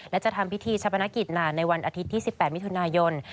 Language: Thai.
และจะทำพิธีชะปนกิจนานในวันอาทิตย์ที่๑๘มิถุนายน